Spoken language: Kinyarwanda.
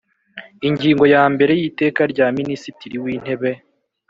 Ingingo ya mbere y Iteka rya Minisitiri w Intebe